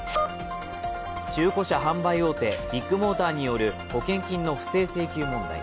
中古車販売大手ビッグモーターによる保険金の不正請求問題。